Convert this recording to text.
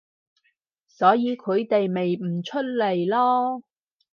所以佢哋咪唔出嚟囉